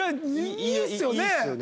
いいですよね。